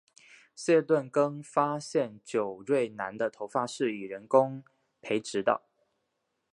谢顿更发现久瑞南的头发是以人工培植的。